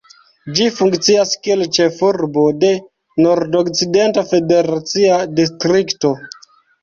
Ĝi funkcias kiel ĉefurbo de Nordokcidenta federacia distrikto.